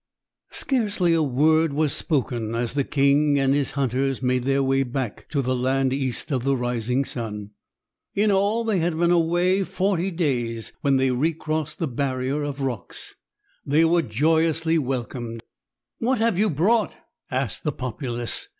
Scarcely a word was spoken as the king and his hunters made their way back to the land East of the Rising Sun. In all, they had been away forty days when they re crossed the barrier of rocks. They were joyously welcomed. "What have you brought," asked the populace.